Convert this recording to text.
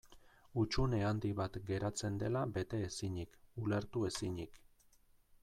Hutsune handi bat geratzen dela bete ezinik, ulertu ezinik.